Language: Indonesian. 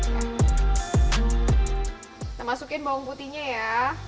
kita masukin bawang putihnya ya